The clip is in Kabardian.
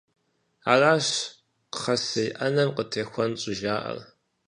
Аращ «кхъэсей Ӏэнэм къытехутэн» щӀыжаӀэр.